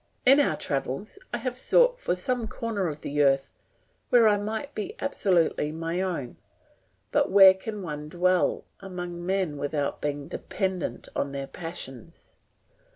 In our travels I have sought for some corner of the earth where I might be absolutely my own; but where can one dwell among men without being dependent on their passions?